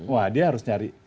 wah dia harus nyari